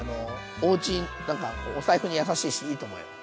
おうちなんかお財布に優しいしいいと思うよ。